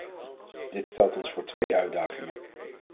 Dit stelt ons voor twee uitdagingen.